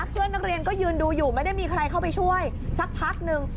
เพื่อนนักเรียนก็ยืนดูอยู่ไม่ได้มีใครเข้าไปช่วยสักพักนึง